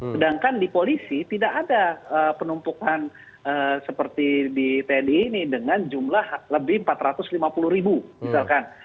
sedangkan di polisi tidak ada penumpukan seperti di tni ini dengan jumlah lebih empat ratus lima puluh ribu misalkan